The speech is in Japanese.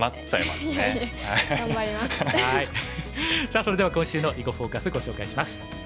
さあそれでは今週の「囲碁フォーカス」ご紹介します。